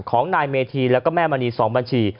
ของนายเมธีแล้วก็แม่มณี๒บัญชี